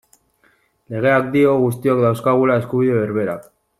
Legeak dio guztiok dauzkagula eskubide berberak.